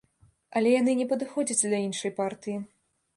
Але яны не падыходзяць для іншай партыі.